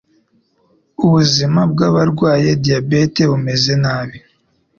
Ubuzima bw'abarwaye Diabète bumeze nabi